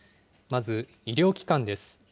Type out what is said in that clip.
まず、医療機関です。